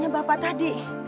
nah ini tuhan